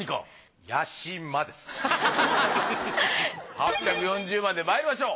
８４０万でまいりましょう。